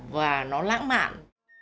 và nó lãng mạn